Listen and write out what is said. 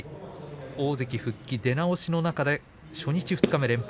大関復帰出直しの中で初日、二日目連敗。